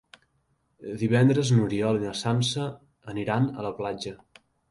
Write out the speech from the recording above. Divendres n'Oriol i na Sança iran a la platja.